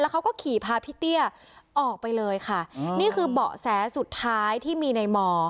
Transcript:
เขาก็ขี่พาพี่เตี้ยออกไปเลยค่ะนี่คือเบาะแสสุดท้ายที่มีในม